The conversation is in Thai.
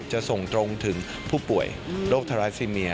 จะส่งตรงถึงผู้ป่วยโรคทาราซิเมีย